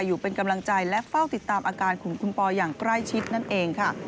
อยู่เป็นกำลังใจและเฝ้าติดตามอาการของคุณปออย่างใกล้ชิดนั่นเองค่ะ